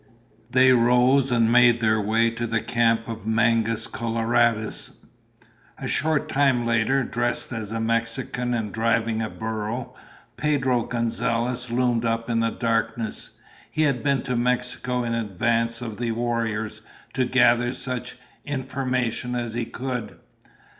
They rose and made their way to the camp of Mangus Coloradus. A short time later, dressed as a Mexican and driving a burro, Pedro Gonzalez loomed up in the darkness. He had been to Mexico in advance of the warriors to gather such information as he could.